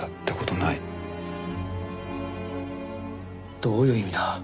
どういう意味だ？